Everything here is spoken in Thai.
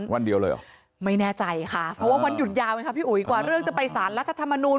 วันเดียวเลยเหรอไม่แน่ใจค่ะเพราะว่าวันหยุดยาวไหมคะพี่อุ๋ยกว่าเรื่องจะไปสารรัฐธรรมนูล